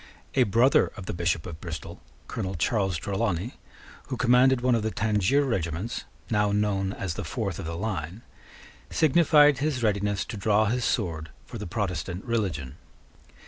A brother of the Bishop of Bristol, Colonel Charles Trelawney, who commanded one of the Tangier regiments, now known as the Fourth of the Line, signified his readiness to draw his sword for the Protestant religion.